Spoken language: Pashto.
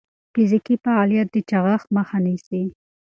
فزیکي فعالیت د چاغښت مخه نیسي.